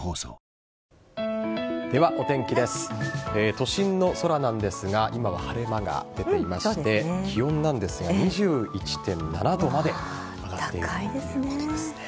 都心の空なんですが今は晴れ間が出ていまして気温なんですが２１．７度まで上がっているということです。